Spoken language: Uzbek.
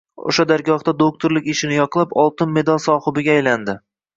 O‘sha dargohda doktorlik ishini yoqlab, oltin medal sohibiga aylandi